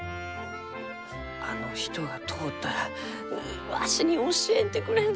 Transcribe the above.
あの人が通ったらわしに教えてくれんかのう。